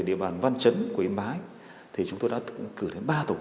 xin chào tất cả các bạn